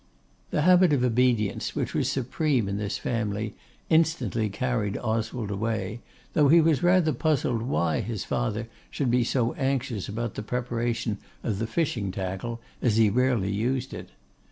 The habit of obedience, which was supreme in this family, instantly carried Oswald away, though he was rather puzzled why his father should be so anxious about the preparation of the fishing tackle, as he rarely used it.